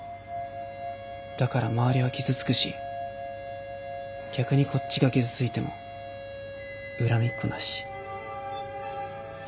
だから周りは傷つくし逆にこっちが傷ついても恨みっこなし。